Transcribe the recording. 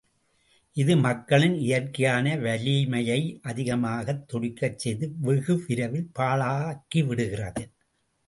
இது மக்களின் இயற்கையான வலிமையை அதிகமாகத் துடிக்கச் செய்து வெகு விரைவில் பாழாக்கிவிடுகிறது.